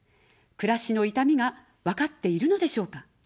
暮らしの痛みがわかっているのでしょうか。